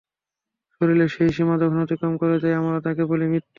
শরীর সেই সীমা যখন অতিক্রম করে যায়, আমরা তাকে বলি মৃত্যু।